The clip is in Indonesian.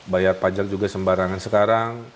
bayar pajak juga sembarangan sekarang